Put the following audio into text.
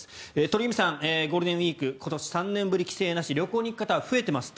鳥海さん、ゴールデンウィーク今年３年ぶり、規制なし旅行に行く方が増えています。